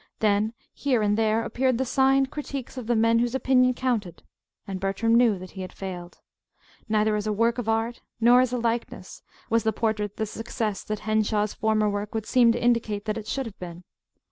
Then, here and there, appeared the signed critiques of the men whose opinion counted and Bertram knew that he had failed. Neither as a work of art, nor as a likeness, was the portrait the success that Henshaw's former work would seem to indicate that it should have been.